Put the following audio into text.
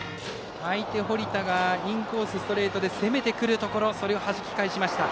相手、堀田がインコースストレートで攻めてくるところそれをはじき返しました。